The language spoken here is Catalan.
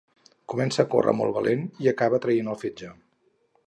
Començà a correr molt valent i acabà traient el fetge